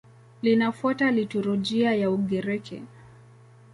Linafuata liturujia ya Ugiriki.